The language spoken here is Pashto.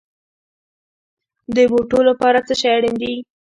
د بوټو لپاره څه شی اړین دی؟